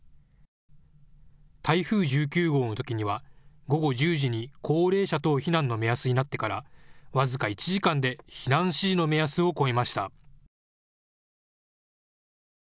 台風１９号のときには午後１０時に高齢者等避難の目安になってから僅か１時間で避難指示の目安を超えました。